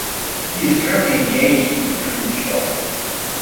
He is currently engaged to Brittany Sharp.